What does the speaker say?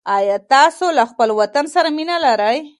آیا تاسو له خپل وطن سره مینه لرئ؟